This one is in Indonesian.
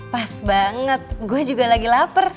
pas banget gue juga lagi lapar